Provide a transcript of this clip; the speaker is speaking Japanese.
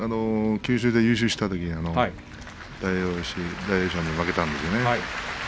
九州で優勝したときには大栄翔に負けたんですね。